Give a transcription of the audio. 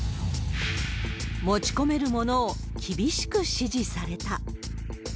持ち込めるものを厳しく指示された。